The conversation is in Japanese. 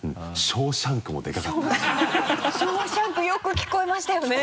「ショーシャンク」よく聞こえましたよね！